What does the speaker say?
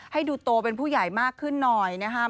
ให้ดูโตเป็นผู้ใหญ่มากขึ้นหน่อยนะครับ